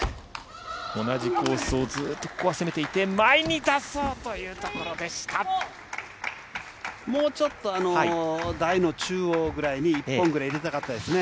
同じコースをずっとここは攻めていって、もうちょっと台の中央ぐらいに、一本ぐらい入れたかったですね。